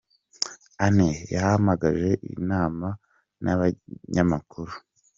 Anne : “Yahamagaje inama n’abanyamakuru ?”